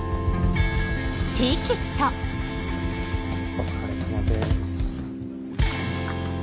お疲れさまです。